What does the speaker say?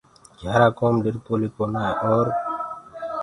گھِيآرآ ڪوم ڏرِپوليٚ ڪونآئي اور